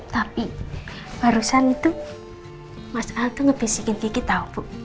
tapi barusan itu mas al tuh ngebisikin kiki tau bu